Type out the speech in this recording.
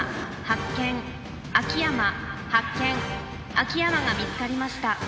秋山が見つかりました。